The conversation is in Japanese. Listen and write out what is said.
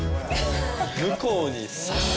向こうにさす？